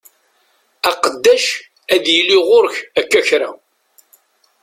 Aqeddac ad yili ɣur-k akka kra.